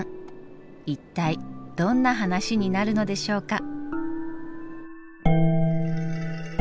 一体どんな話になるのでしょうか。